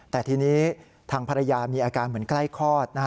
แต่ทีนี้ทางภรรยามีอาการเหมือนใกล้คลอด